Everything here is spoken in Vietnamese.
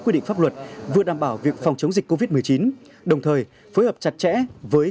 quy định pháp luật vừa đảm bảo việc phòng chống dịch covid một mươi chín đồng thời phối hợp chặt chẽ với